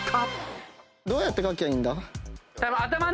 どうやって描きゃいいんだ？